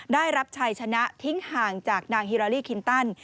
ได้รับชัยชนะทิ้งห่างจากนางฮิลาลี่คินตัน